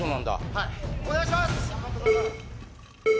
はいお願いします